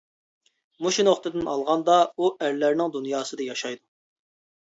مۇشۇ نۇقتىدىن ئالغاندا، ئۇ ئەرلەرنىڭ دۇنياسىدا ياشايدۇ.